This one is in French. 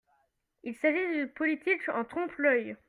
Il s’agit d’une politique en trompe-l’œil.